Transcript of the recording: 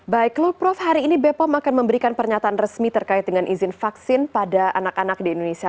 baik lalu prof hari ini bepom akan memberikan pernyataan resmi terkait dengan izin vaksin pada anak anak di indonesia